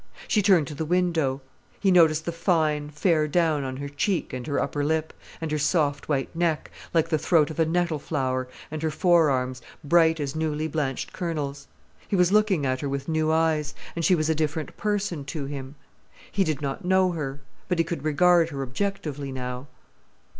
She turned to the window. He noticed the fine, fair down on her cheek and her upper lip, and her soft, white neck, like the throat of a nettle flower, and her fore arms, bright as newly blanched kernels. He was looking at her with new eyes, and she was a different person to him. He did not know her. But he could regard her objectively now.